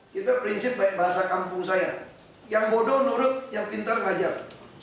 kita prinsip baik bahasa kampung saya yang bodoh nurut yang pintar ngajar